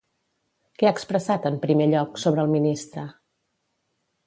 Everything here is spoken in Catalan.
Què ha expressat, en primer lloc, sobre el ministre?